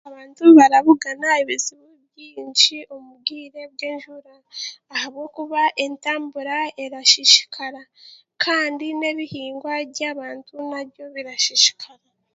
Abantu barabugana ebizibu bingi omu bwire bw'enjura ahabwokuba entambura erasiisikara kandi n'ebihingwa by'abantu nabyo birasisikara